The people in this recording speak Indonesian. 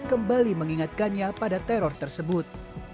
kembali mengingatkannya pada teror tersebut